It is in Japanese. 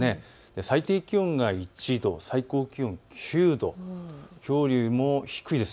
最低気温が１度、最高気温９度、きょうよりも低いです。